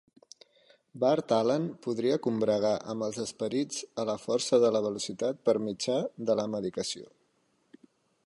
Bart Allen podria combregar amb els esperits a la Força de la Velocitat per mitjà de la medicació.